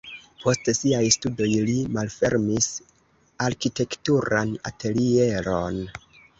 Post siaj studoj li malfermis arkitekturan atelieron.